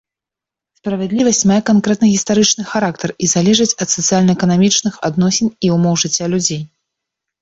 Справядлівасць мае канкрэтна-гістарычны характар і залежыць ад сацыяльна-эканамічных адносін і ўмоў жыцця людзей.